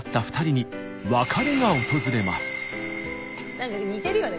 何か似てるよね